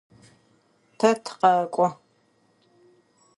Тэ тыкъэкӏо.